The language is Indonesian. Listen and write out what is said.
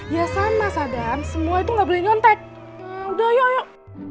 ya sama sadam semua itu nggak boleh nyontek udah yuk